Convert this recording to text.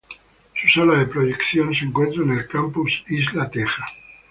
Su sala de proyección se encuentra en el Campus Isla Teja.